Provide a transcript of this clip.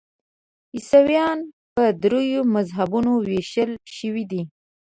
عیسویان په دریو مذهبونو ویشل شوي دي.